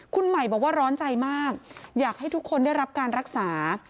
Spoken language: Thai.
คุณใหม่บอกว่าร้อนใจมากอยากให้ทุกคนได้รับการรักษา